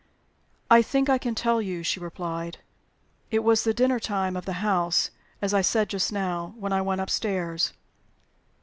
"I think I can tell you," she replied. "It was the dinner time of the house (as I said just now) when I went upstairs.